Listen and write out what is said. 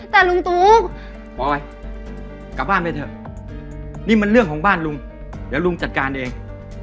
แต่ลุงตุ๊กปล่อยกลับบ้านไปเถอะนี่มันเรื่องของบ้านลุงเดี๋ยวลุงจัดการเอง